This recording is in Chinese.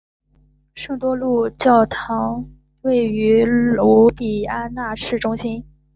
圣伯多禄教区教堂位于卢比安纳市中心。